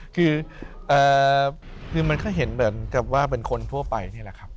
คือมันก็เห็นเหมือนกับว่าเป็นคนทั่วไปนี่แหละครับ